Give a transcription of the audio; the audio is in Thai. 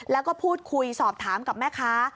แล้วก็พูดคุยสอบถามกับแม่ค้า